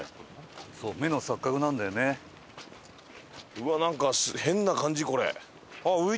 うわっなんか変な感じこれ。